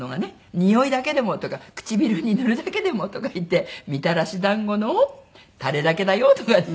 「においだけでも」とか「唇に塗るだけでも」とかいって「みたらし団子のタレだけだよ」とかね。